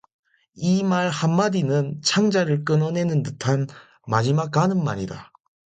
이 말 한마디는 창자를 끊어 내는 듯한 마지막 가는 말이다.